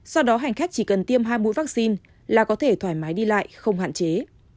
sau đó hành khách chỉ cần tiêm hai mũi vaccine là có thể thoải mái đi lại không hạn chế